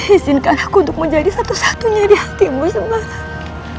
izinkan aku untuk menjadi satu satunya di hatimu semua